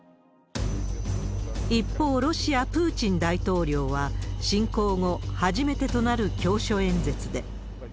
一方、ロシア、プーチン大統領は、侵攻後初めてとなる教書演説で。